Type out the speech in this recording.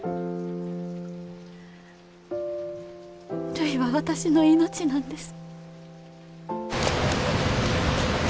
るいは私の命なんです。